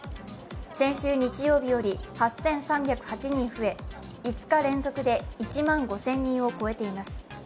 先週日曜日より８３０８人増え、５日連続で１万５０００人を超えています。